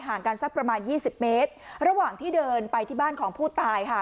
กันสักประมาณยี่สิบเมตรระหว่างที่เดินไปที่บ้านของผู้ตายค่ะ